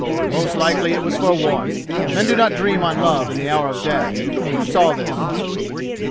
"Most likely it was for warmth. Men do not dream on love in the hour of death. Who saw this?"